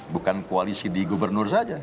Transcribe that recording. bukan koalisi di gubernur saja